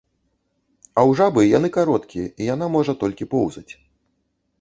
А ў жабы яны кароткія і яна можа толькі поўзаць.